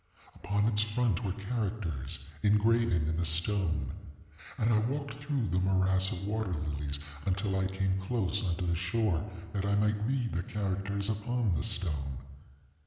Upon its front were characters engraven in the stone; and I walked through the morass of water lilies, until I came close unto the shore, that I might read the characters upon the stone.